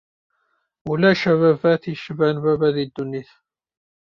Ulac ababat yecban baba di ddunit.